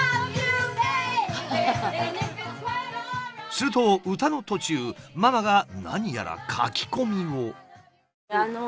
すると歌の途中ママが何やら書き込みを。